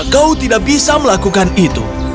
kau tidak bisa melakukan itu